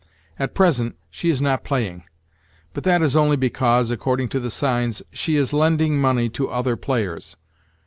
At present she is not playing; but that is only because, according to the signs, she is lending money to other players.